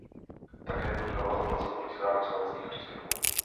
Také požadovala zaplacení odvysílání slovenských příspěvků.